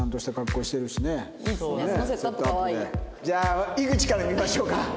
じゃあ井口から見ましょうか！